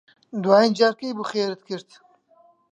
دوایین جار کەی بوو خێرت کرد؟